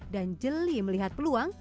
dan jeli melihat peluang